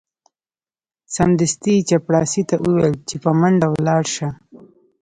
سمدستي یې چپړاسي ته وویل چې په منډه ولاړ شه.